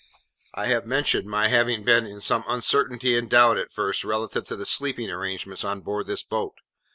I have mentioned my having been in some uncertainty and doubt, at first, relative to the sleeping arrangements on board this boat.